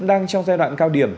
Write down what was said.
đang trong giai đoạn cao điểm